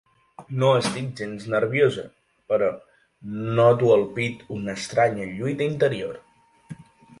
No estic gens nerviosa, però noto al pit una estranya lluita interior.